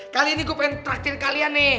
kali ini gue pengen terakhir kalian nih